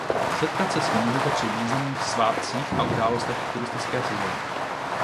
Setkat se s ní můžete při významných svátcích a událostech a v turistické sezóně.